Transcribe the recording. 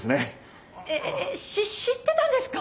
えっ知ってたんですか？